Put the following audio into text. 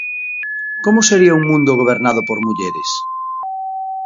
Como sería un mundo gobernado por mulleres?